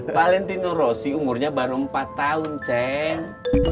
valentino rosy umurnya baru empat tahun ceng